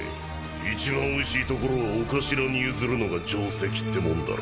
一番おいしいところを御頭に譲るのが定石ってもんだろ。